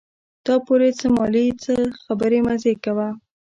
تا پورې څه مالې ته خپلې مزې کوه.